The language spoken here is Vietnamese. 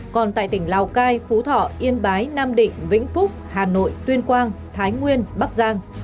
còn tại tỉnh lào cai phú thọ yên bái nam định vĩnh phúc hà nội tuyên quang thái nguyên bắc giang